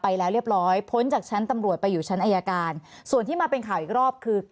ไปแล้วเรียบร้อยพ้นจากชั้นตำรวจไปอยู่ชั้นอายการส่วนที่มาเป็นข่าวอีกรอบคือ